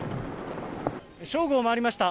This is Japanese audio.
正午を回りました。